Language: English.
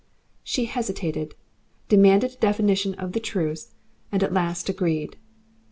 She hesitated, demanded a definition of the truce, and at last agreed.